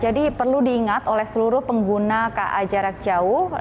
jadi perlu diingat oleh seluruh pengguna ka jarak jauh